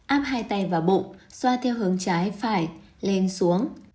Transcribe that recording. áp hai tay vào bộ xoa theo hướng trái phải lên xuống